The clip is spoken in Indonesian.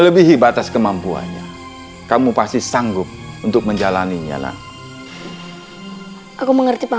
jika kamu diliputi dengan kehadiranmu